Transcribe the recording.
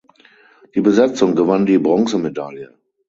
Die Besatzung gewann die Bronzemedaille.